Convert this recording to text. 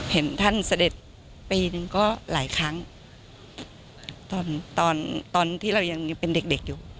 เห็นท่านเสด็จปีนึงก็หลายครั้งตอนที่เรายังเป็นเด็กอยู่